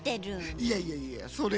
いやいやいやそれがさあ。